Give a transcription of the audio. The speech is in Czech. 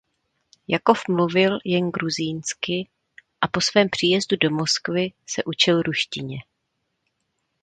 Jakov mluvil jen gruzínsky a po svém příjezdu do Moskvy se učil ruštině.